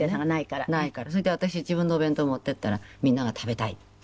それで私自分のお弁当を持っていったらみんなが「食べたい」って。